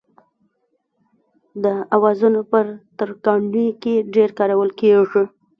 دا اوزارونه په ترکاڼۍ کې ډېر کارول کېږي.